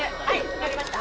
分かりました。